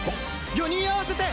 ４人合わせて。